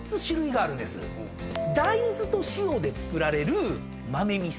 大豆と塩で造られる豆味噌。